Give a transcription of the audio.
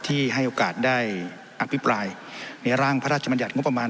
ให้โอกาสได้อภิปรายในร่างพระราชมัญญัติงบประมาณ